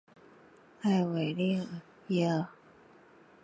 埃维利耶尔。